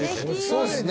そうですね。